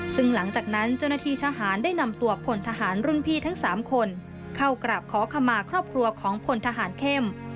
ซึ่งหลังจากนั้นเจ้าหน้าที่ทหารได้นำตัวพลทหารรุ่นพี่ทั้ง๓คนเข้ากราบขอขมาครอบครัวของพลทหารเข้ม